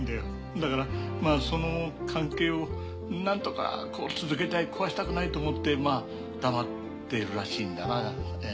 だからまあその関係をなんとかこう続けたい壊したくないと思ってまあ黙ってるらしいんだな。